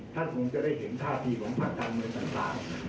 ท่านคงจะได้เห็นท่าทีของภาคการเมืองต่าง